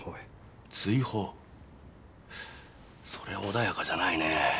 それは穏やかじゃないねぇ。